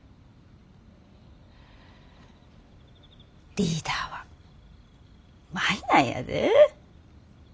リーダーは舞なんやで。